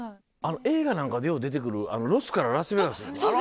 映画なんかでよう出てくるロスからラスベガスあの道？